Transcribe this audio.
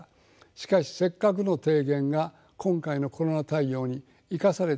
しかしせっかくの提言が今回のコロナ対応に生かされてきませんでした。